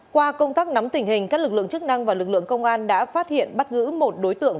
qua công tác nắm tình hình các lực lượng chức năng và lực lượng công an đã phát hiện bắt giữ một đối tượng